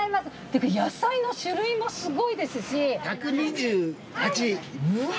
てか野菜の種類もすごいですし。